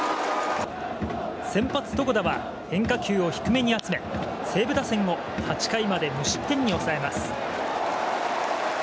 先発、床田は変化球を低めに集め西武打線を８回まで無失点に抑えます。